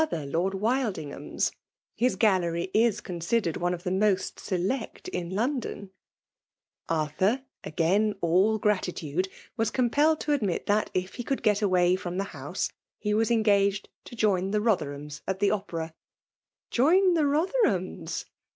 ther Lord Wildingham's ;— ^his gallery is con sidered one of the most seleet in London/* Arthur, again all gratitude, was compelled tx) admit that, if he could get away from the house, he was engaged to join the Rotherhams at tlie Opera. " Join the Rotherhams